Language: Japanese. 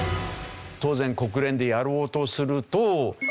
当然国連でやろうとすると。